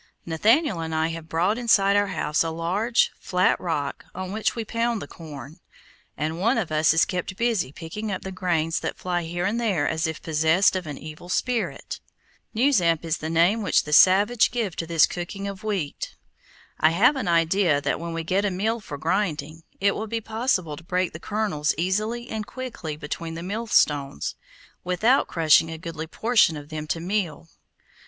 Nathaniel and I have brought inside our house a large, flat rock, on which we pound the corn, and one of us is kept busy picking up the grains that fly here and there as if possessed of an evil spirit. Newsamp is the name which the savages give to this cooking of wheat. I have an idea that when we get a mill for grinding, it will be possible to break the kernels easily and quickly between the millstones, without crushing a goodly portion of them to meal.